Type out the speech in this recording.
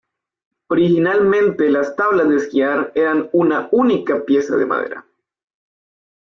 Originalmente las tablas de esquiar eran una única pieza de madera.